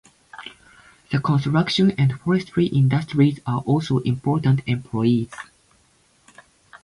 The construction and forestry industries are also important employers.